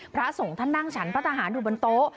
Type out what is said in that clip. พระสงฆ์ท่านนั่งฉันพระทหารอยู่บนโต๊ะ